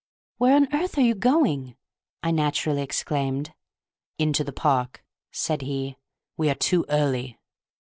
"Where on earth are you going?" I naturally exclaimed. "Into the park," said he. "We are too early."